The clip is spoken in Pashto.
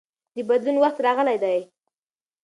د بدلون وخت راغلی دی.